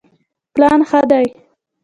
پلان ښه دی.